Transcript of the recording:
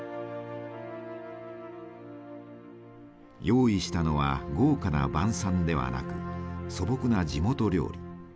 用意したのは豪華な晩餐ではなく素朴な地元料理。